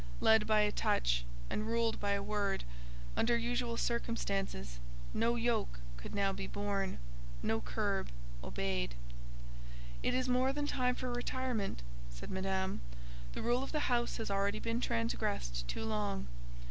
Led by a touch, and ruled by a word, under usual circumstances, no yoke could now be borne—no curb obeyed. "It is more than time for retirement," said Madame; "the rule of the house has already been transgressed too long."